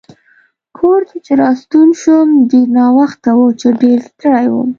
کور ته چې راستون شوم ډېر ناوخته و چې ډېر ستړی وم.